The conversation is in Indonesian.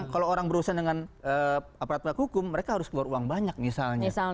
kalau orang berurusan dengan aparat pelaku hukum mereka harus keluar uang banyak misalnya